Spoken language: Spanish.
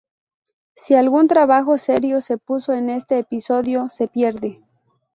Si algún trabajo serio se puso en este episodio, se pierde.